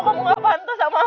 kamu gak pantas sama aku